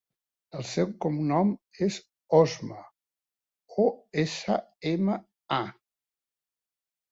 El seu cognom és Osma: o, essa, ema, a.